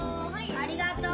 ・・ありがとう！